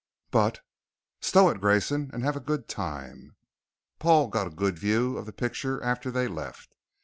"But " "Stow it, Grayson. And have a good time!" Paul got a good view of the picture after they left.